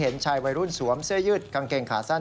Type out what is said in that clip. เห็นชายวัยรุ่นสวมเสื้อยืดกางเกงขาสั้น